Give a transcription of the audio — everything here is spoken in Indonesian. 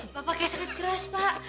pak bapak kayak sakit keras pak